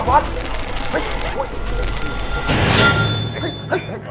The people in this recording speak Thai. ตกหลวงลัง